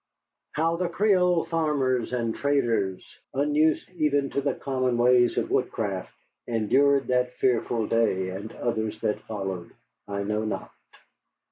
How the Creole farmers and traders, unused even to the common ways of woodcraft, endured that fearful day and others that followed, I know not.